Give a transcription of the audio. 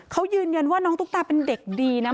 เขายืนยันว่าน้องตุ๊กตาเป็นเด็กดีนะ